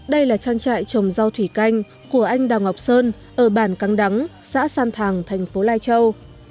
đây là trang trại trồng rau thủy canh của anh đào ngọc sơn ở bàn cáng đắng xã san thàng tp lai châu